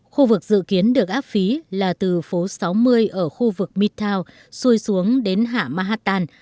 khu vực dự kiến được áp phí là từ phố sáu mươi ở khu vực mitoun xuôi xuống đến hạ mahatan